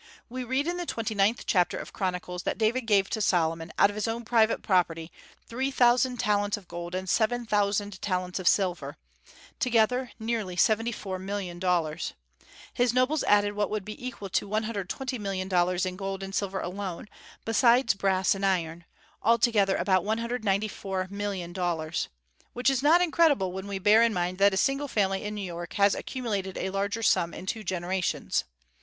We read in the twenty ninth chapter of Chronicles that David gave to Solomon, out of his own private property, three thousand talents of gold and seven thousand talents of silver, together, nearly $74,000,000. His nobles added what would be equal to $120,000,000 in gold and silver alone, besides brass and iron, altogether about $194,000,000, which is not incredible when we bear in mind that a single family in New York has accumulated a larger sum in two generations.